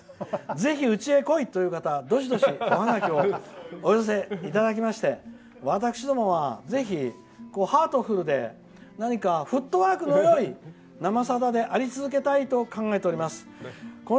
ぜひ、うちへ来いという方おハガキをお寄せいただきまして私どもはぜひ、ハートフルで何かフットワークのよい「生さだ」であり続けたいと考えております。